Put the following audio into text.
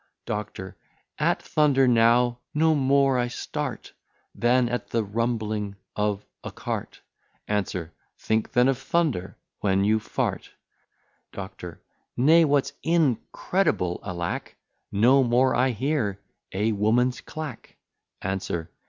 DOCTOR. At thunder now no more I start, Than at the rumbling of a cart. ANSWER. Think then of thunder when you f t. DOCTOR. Nay, what's incredible, alack! No more I hear a woman's clack. ANSWER.